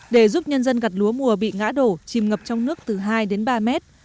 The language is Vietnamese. để giúp nhân dân gặt lúa mùa bị ngã đổ chìm ngập trong nước từ hai đến ba mét